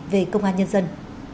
về công an nhân dân